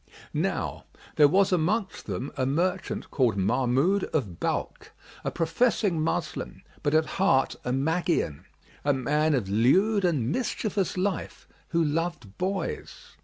Now there was amongst them a merchant called Mahmъd of Balkh, a professing Moslem but at heart a Magian, a man of lewd and mischievous life who loved boys.